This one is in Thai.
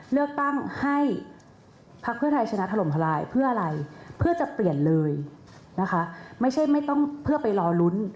เลือกตั้งให้พักเพื่อไทยชนะถล่มทลายเพื่ออะไรเพื่อจะเปลี่ยนเลยนะคะไม่ใช่ไม่ต้องเพื่อไปรอลุ้น